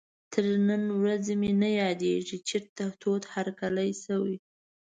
تر نن ورځې مې نه یادېږي چېرته تود هرکلی شوی.